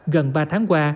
gần ba tháng qua